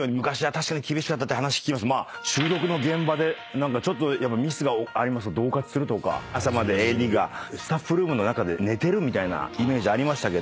収録の現場でちょっとミスがありますとどう喝するとか朝までＡＤがスタッフルームの中で寝てるみたいなイメージありましたけど。